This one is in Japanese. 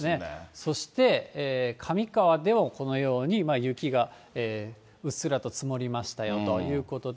そして、上川ではこのように雪がうっすらと積もりましたよということで。